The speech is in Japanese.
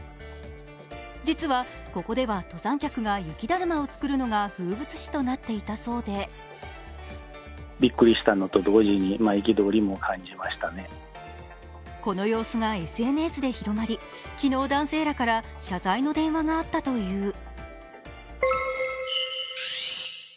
実は、ここでは登山客が雪だるまを作るのが風物詩になっていたそうでこの様子がＳＮＳで広がり、昨日、男性らから謝罪の電話があったという。